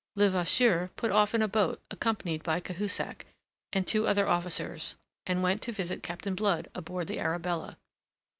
Levasseur put off in a boat accompanied by Cahusac and two other officers, and went to visit Captain Blood aboard the Arabella.